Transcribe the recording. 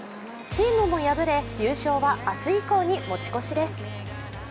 チームも敗れ、優勝は明日以降に持ち越しです。